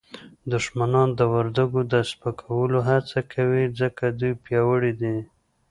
دښمنان د وردګو د سپکولو هڅه کوي ځکه دوی پیاوړي دي